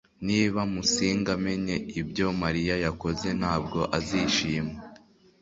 Niba Musinga amenye ibyo Mariya yakoze ntabwo azishima